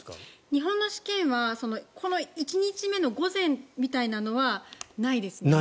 日本の試験は１日目の午前みたいなことはないですね。